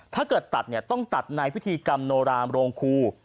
ถ้าเกิดตัดต้องตัดในพิธีกรรมโรงคู่